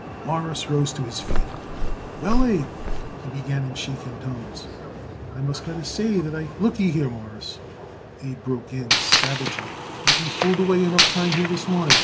Morris rose to his feet. "Well, Abe," he began in shaking tones, "I must got to say that I " "Lookyhere, Mawruss," Abe broke in savagely, "ain't we fooled away enough time here this morning?